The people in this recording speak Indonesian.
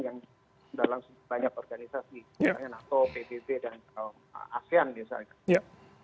yang dalam banyak organisasi misalnya nato pbb dan asean biasanya